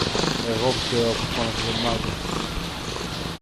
Εγώ φταίγω που φώναξα τον Μάγκα.